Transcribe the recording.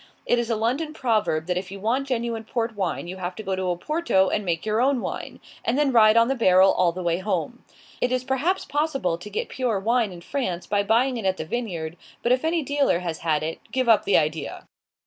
It is a London proverb, that if you want genuine port wine, you have got to go to Oporto and make your own wine, and then ride on the barrel all the way home. It is perhaps possible to get pure wine in France by buying it at the vineyard; but if any dealer has had it, give up the idea!